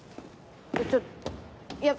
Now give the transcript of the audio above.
ちょいや。